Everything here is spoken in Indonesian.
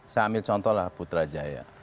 saya ambil contoh lah putrajaya